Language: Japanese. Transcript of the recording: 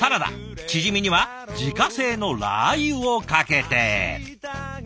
チヂミには自家製のラー油をかけて。